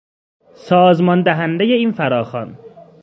سازمان دهندهی این فراخوان